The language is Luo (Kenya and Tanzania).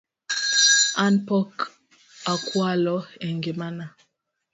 An pok akwalo e ngima na